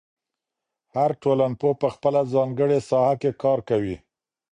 هر ټولنپوه په خپله ځانګړې ساحه کې کار کوي.